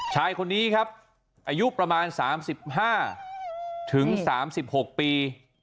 ชายคนนี้ครับอายุประมาณ๓๕ถึง๓๖ปี